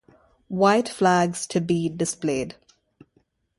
White flags to be displayed.